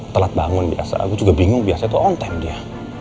telat bangun biasa aku juga bingung biasa itu on time dia